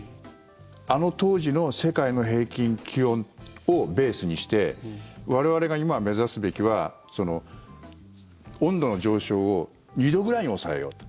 あの当時の世界の平均気温をベースにして我々が今、目指すべきは温度の上昇を２度ぐらいに抑えようと。